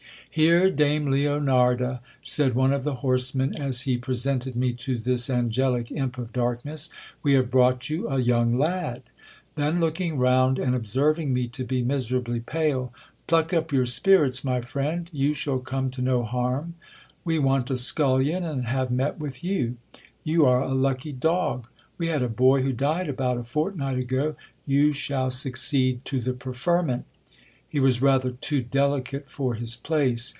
Here, dame Leonarda, said one of the horsemen as he presented me to this angelic imp of darkness, we have brought you a young lad. Then looking THE SUBTERRANEOUS DWELLIXG. round, and observing me to be miserably pale, Pluck up your spirits, my friend ; you shall come to no harm. We want a scullion, and have met with you. You are a lucky dog ! We had a boy who died about a fortnight ago : you shall succeed to the preferment He was rather too delicate for his place.